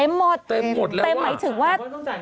เต็มหมดแล้วแต่ว่าต้องจ่ายเงินก่อนหมายถึงว่า